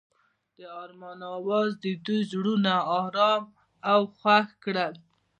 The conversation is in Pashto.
د آرمان اواز د دوی زړونه ارامه او خوښ کړل.